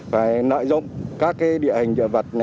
và nợ dụng các địa hình dựa vật